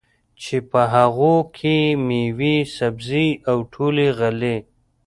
چې په هغو کې مېوې، سبزۍ او ټولې غلې